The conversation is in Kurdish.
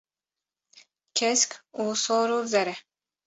Kesk û sor û zer e.